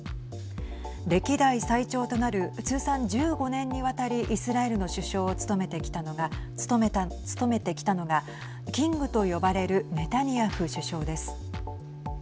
歴代最長となる通算１５年にわたりイスラエルの首相を務めてきたのがキングと呼ばれるネタニヤフ首相です。